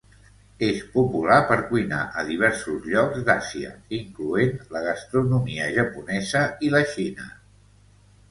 És popular per cuinar a diversos llocs d’Àsia incloent la gastronomia japonesa i la Xina.